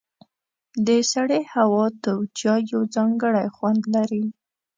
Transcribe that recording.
د سړې هوا تود چای یو ځانګړی خوند لري.